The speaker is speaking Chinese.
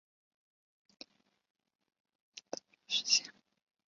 高曼缠斗是一起广为人知的不明飞行物缠斗事件。